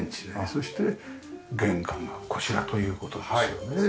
そして玄関がこちらという事ですよね。